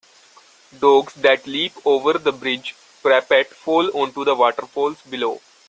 Dogs that leap over the bridge parapet fall onto the waterfalls below.